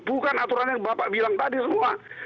bukan aturan yang bapak bilang tadi semua